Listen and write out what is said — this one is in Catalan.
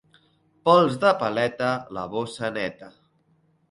Pols de paleta, la bossa neta.